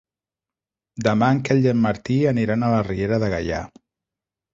Demà en Quel i en Martí aniran a la Riera de Gaià.